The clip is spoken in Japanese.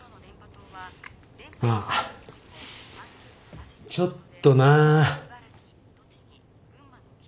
まあちょっとな。